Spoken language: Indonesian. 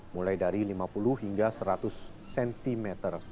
mulai dari lima puluh hingga seratus cm